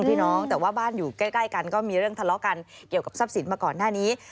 พี่น้องแต่ว่าบ้านอยู่ใกล้กันก็มีเรื่องทะเลาะกันเกี่ยวกับทรัพย์สินมาก่อนหน้านี้